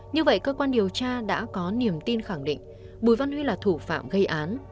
như vậy cơ quan điều tra đã có niềm tin khẳng định bùi văn huy là thủ phạm gây án